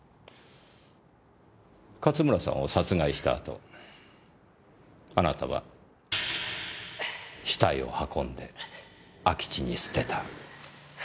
勝村さんを殺害した後あなたは死体を運んで空き地に捨てた。